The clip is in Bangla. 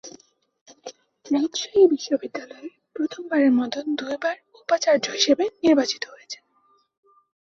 রাজশাহী বিশ্ববিদ্যালয়ে প্রথমবারের মত দুইবার উপাচার্য হিসেবে নির্বাচিত হয়েছেন।